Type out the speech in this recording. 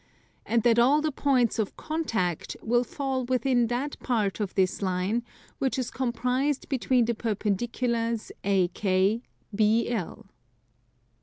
and that all the points of contact will fall within that part of this line which is comprised between the perpendiculars AK, BL.